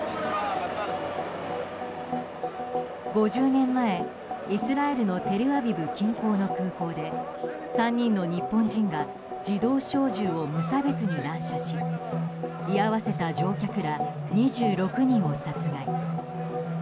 ５０年前、イスラエルのテルアビブ近郊の空港で３人の日本人が自動小銃を無差別に乱射し居合わせた乗客ら２６人を殺害。